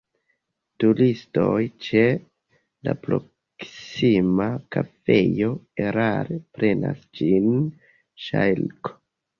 Turistoj ĉe la proksima kafejo erare prenas ĝin ŝarko.